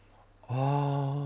ああ